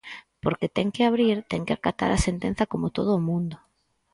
Porque ten que abrir, ten que acatar a sentenza como todo o mundo.